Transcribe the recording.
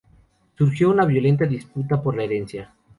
Surgió una violenta disputa por la herencia.